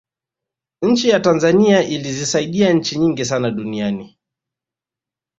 nchi ya tanzania ilizisaidia nchi nyingi sana duniani